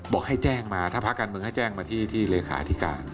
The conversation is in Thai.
บอกให้แจ้งมาถ้าภาคการเมืองให้แจ้งมาที่เลขาธิการ